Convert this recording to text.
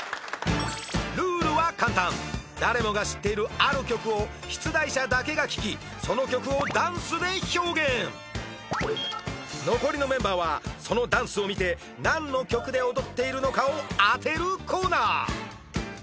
ルールは簡単誰もが知っているある曲を出題者だけが聴きその曲をダンスで表現残りのメンバーはそのダンスを見て何の曲で踊っているのかを当てるコーナー